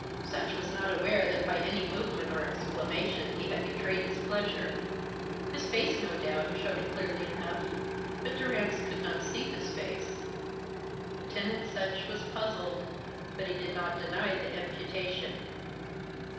Sutch was not aware that by any movement or exclamation he had betrayed his pleasure. His face, no doubt, showed it clearly enough, but Durrance could not see his face. Lieutenant Sutch was puzzled, but he did not deny the imputation.